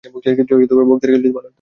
বক্তিয়ার খিলিজি ভালোই তো।